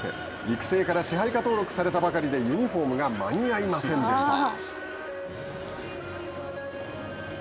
育成から支配下登録されたばかりでユニホームが間に合いませんでした。